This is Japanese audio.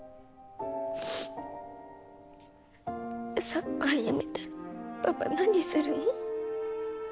サッカー辞めたらパパ何するの？